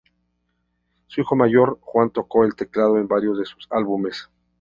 Su hijo mayor, Juan, tocó el teclado en varios de sus álbumes.